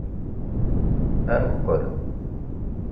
Ad neqqel!